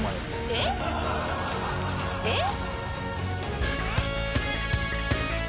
えっ？えっ？